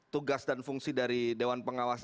tugas dan fungsi dari dewan pengawas